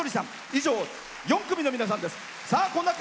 以上、４組の皆さんです。